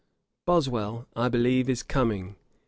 'BOSWELL, I believe, is coming.